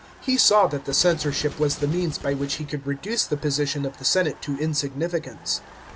He saw that the censorship was the means by which he could reduce the position of the senate to insignificance.